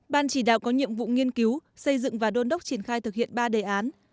ban chỉ đạo có nhiệm vụ nghiên cứu xây dựng và đôn đốc triển khai thực hiện ba đề án